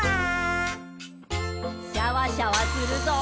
シャワシャワするぞ。